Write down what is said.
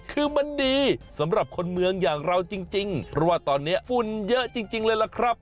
คือมันดีสำหรับคนเมืองอย่างเราจริงเพราะว่าตอนนี้ฝุ่นเยอะจริงเลยล่ะครับ